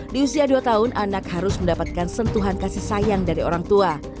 di usia dua tahun anak harus mendapatkan sentuhan kasih sayang dari orang tua